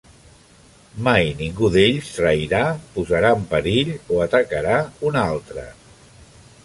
Mai ningú d'ells trairà, posarà en perill o atacarà un altre.